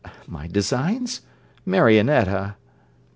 'My designs? Marionetta!'